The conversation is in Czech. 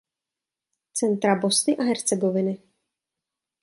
Centra Bosny a Hercegoviny.